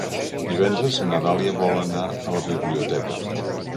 Divendres na Dàlia vol anar a la biblioteca.